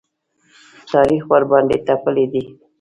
تاریخ ورباندې تپلی دی.